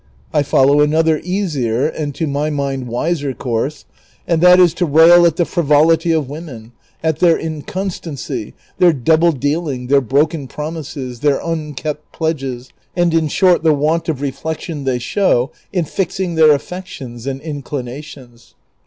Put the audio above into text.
1 follow another easier, and to my mind wiser course, and that is to rail at the frivolity of women, at their inconstancy, their double dealing, their broken promises, their unkept pledges, and in short tlie want of reflection they sliow in fixing their aftections and inclinations.